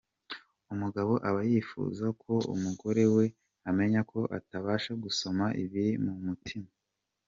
Umugabo aba yifuza ko umugore we amenya ko atabasha gusoma ibiri mu mutima.